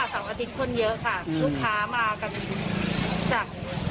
แล้วช่วงก่อนก่อนนี้ก่อนหน้านี้อ่ะครับดีมั้ยครับ